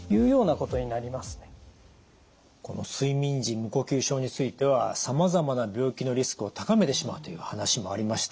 この睡眠時無呼吸症についてはさまざまな病気のリスクを高めてしまうという話もありました。